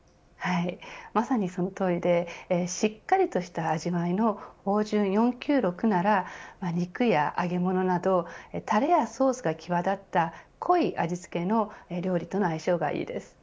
まさに、そのとおりでしっかりとした味わいの豊潤４９６なら肉や揚げ物などたれやソースが際立った濃い味付けの料理との相性がいいです。